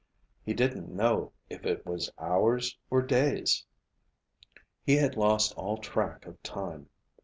He didn't know if it was hours, or days. He had lost all track of time.